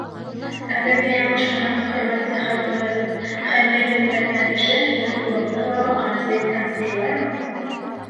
— Әгәр ҙә яңылышмаһам, хөрмәтле хакимәбеҙ, хәнйәрҙе күрһәткән кеше һинең улыңды Лабаҡан, тип әйткән, шулаймы?